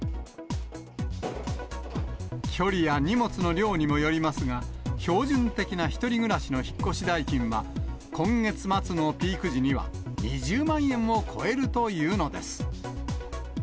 距離や荷物の量にもよりますが、標準的な１人暮らしの引っ越し代金は、今月末のピーク時には、２０万円を超えるというのです。